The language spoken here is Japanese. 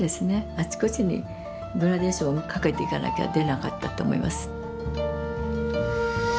あちこちにグラデーションをかけていかなきゃ出なかったと思います。